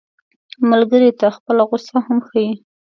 ملګری ته خپله غوسه هم ښيي